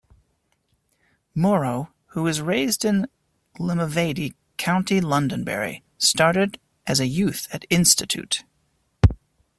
Morrow, who was raised in Limavady, County Londonderry, started as a youth at Institute.